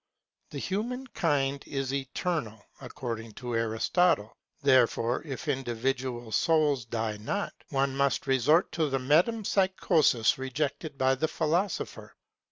The human kind is eternal, according to Aristotle, therefore if individual souls die not, one must resort to the metempsychosis rejected by that philosopher.